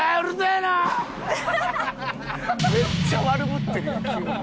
めっちゃ悪ぶってるやん急に。